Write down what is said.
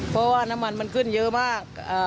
เพราะว่าน้ำมันมันขึ้นเยอะมาก